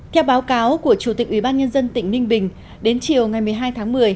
theo báo cáo của chủ tịch ubnd tỉnh ninh bình đến chiều ngày một mươi hai tháng một mươi